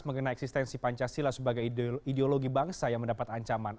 mengenai eksistensi pancasila sebagai ideologi bangsa yang mendapat ancaman